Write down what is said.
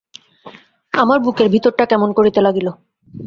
আমার বুকের ভিতরটা কেমন করিতে লাগিল।